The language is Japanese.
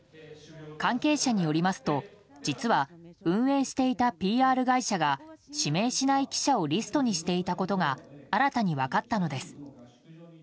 関係者によりますと実は、運営していたＰＲ会社が指名しない記者をリストにしていたことが新たに分かったのです。